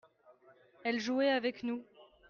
elle jouait avec nous.